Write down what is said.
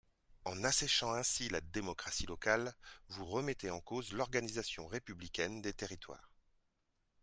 En asséchant ainsi la démocratie locale, vous remettez en cause l’organisation républicaine des territoires.